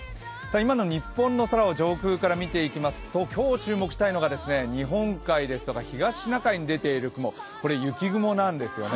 今の日本の空を上空から見ていきますと、今日注目したいのが日本海ですとかただ、東シナ海に出ている雲、これ雪雲なんですよね。